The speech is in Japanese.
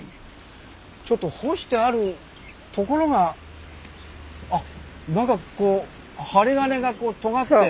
ちょっと干してあるところがあっなんかこう針金がとがって。